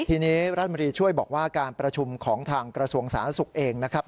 ทีนี้รัฐมนตรีช่วยบอกว่าการประชุมของทางกระทรวงสาธารณสุขเองนะครับ